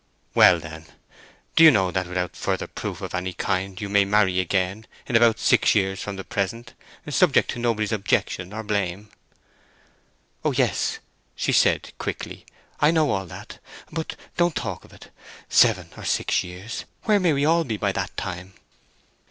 "Well, then, do you know that without further proof of any kind you may marry again in about six years from the present—subject to nobody's objection or blame?" "Oh yes," she said, quickly. "I know all that. But don't talk of it—seven or six years—where may we all be by that time?"